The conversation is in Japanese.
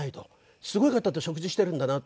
すごい方と食事してるんだなと思って。